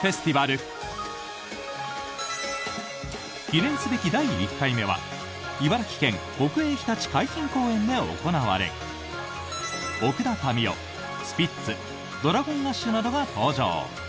記念すべき第１回目は茨城県・国営ひたち海浜公園で行われ奥田民生、スピッツＤｒａｇｏｎＡｓｈなどが登場。